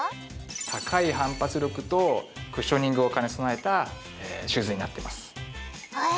高い反発力とクッショニングを兼ね備えたシューズになってますへ！